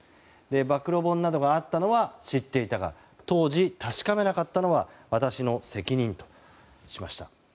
暴露本などがあったのは知っていたが当時、確かめなかったのは私の責任としました。